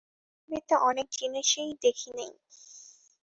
পৃথিবীতে অনেক জিনিসই দেখি নাই।